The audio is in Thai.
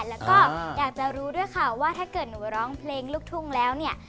แล้วก็อยากจะรู้ด้วยค่ะว่าถ้าเกิดหนูร้องเพลงลูกทุ่งแล้วเนี่ย